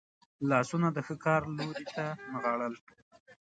لاسونه د ښه کار لوري ته نغاړل.